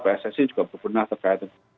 pssi juga berkenaan terkait